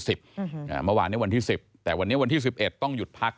เมื่อวานนี้วันที่๑๐แต่วันนี้วันที่๑๑ต้องหยุดพัก